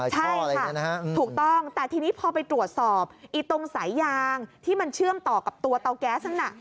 ใช่ค่ะถูกต้องแต่ทีนี้พอไปตรวจสอบตรงสายยางที่มันเชื่อมต่อกับตัวเตาแก๊สนั้นน่ะ